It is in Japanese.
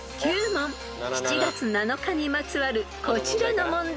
［７月７日にまつわるこちらの問題］